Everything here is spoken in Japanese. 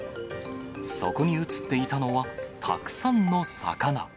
そこに写っていたのは、たくさんの魚。